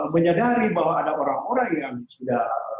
menyadari bahwa ada orang orang yang sudah